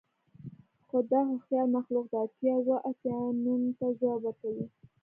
خو دا هوښیار مخلوق د اتیا اوه اتیا نوم ته ځواب ورکوي